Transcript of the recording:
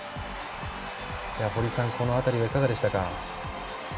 堀さん、この辺りいかがでしたか。